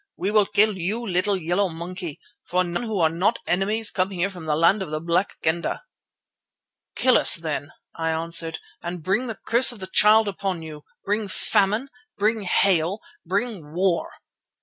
We will kill you, little yellow monkey, for none who are not enemies come here from the land of the Black Kendah." "Kill us then," I answered, "and bring the curse of the Child upon you. Bring famine, bring hail, bring war!"